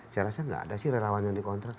saya rasa nggak ada sih relawan yang dikontrak